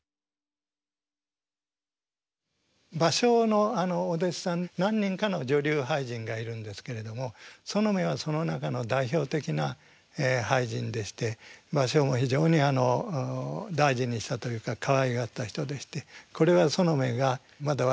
芭蕉のお弟子さん何人かの女流俳人がいるんですけれども園女はその中の代表的な俳人でして芭蕉も非常に大事にしたというかかわいがった人でしてこれは園女がまだ若い頃なんでしょうね。